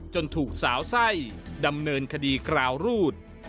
ถูกสาวไส้ดำเนินคดีกราวรูด